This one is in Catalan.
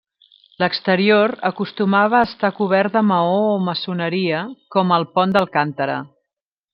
L'exterior acostumava a estar cobert de maó o maçoneria, com al pont d'Alcántara.